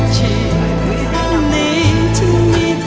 จริงนี้ฉันมีเธอ